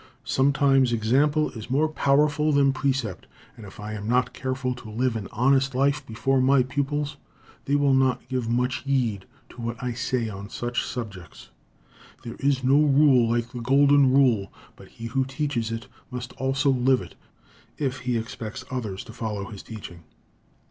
Sometimes example is more powerful than precept, and if I am not careful to live an honest life before my pupils, they will not give much heed to what I say on such subjects. There is no rule like the golden rule, but he who teaches it must also live it, if he expects others to follow his teaching."